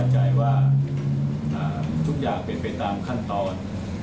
ให้ไปตามขั้นตอน